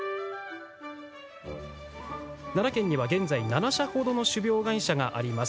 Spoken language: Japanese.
奈良県には、現在７社ほどの種苗会社があります。